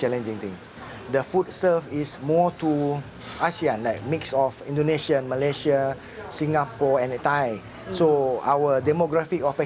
agar terasa lebih bersahabat di lidah para tamu restoran